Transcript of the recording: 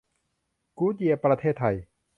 กู๊ดเยียร์ประเทศไทย